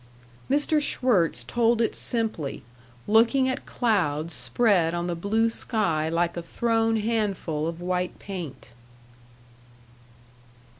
Mr. Schwirtz told it simply, looking at clouds spread on the blue sky like a thrown handful of white paint.